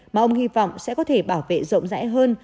mà ông hy vọng sẽ có thể bảo vệ rộng rãi hơn